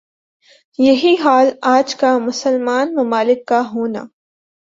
یہی حال آج کا مسلمان ممالک کا ہونا